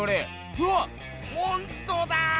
うわっほんとだ！